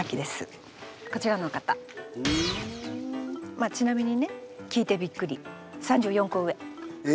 まあちなみにね聞いてびっくりえ！